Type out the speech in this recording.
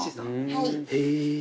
はい。